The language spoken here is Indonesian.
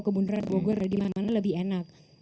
kebun repogor di mana mana lebih enak